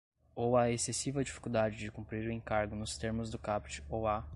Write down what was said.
ou à excessiva dificuldade de cumprir o encargo nos termos do caput ou à